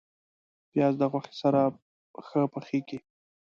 پیاز د غوښې سره ښه پخیږي